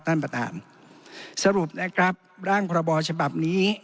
ท่านประธานสรุปนะครับร่างพรบฉบับนี้